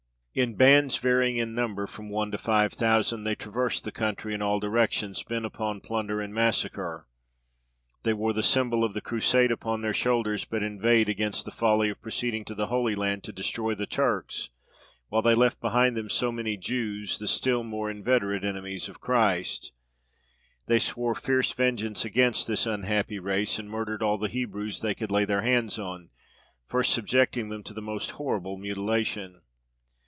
In bands, varying in numbers from one to five thousand, they traversed the country in all directions, bent upon plunder and massacre. They wore the symbol of the Crusade upon their shoulders, but inveighed against the folly of proceeding to the Holy Land to destroy the Turks, while they left behind them so many Jews, the still more inveterate enemies of Christ. They swore fierce vengeance against this unhappy race, and murdered all the Hebrews they could lay their hands on, first subjecting them to the most horrible mutilation.